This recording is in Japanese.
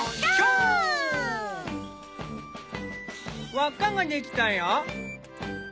輪っかができたよ。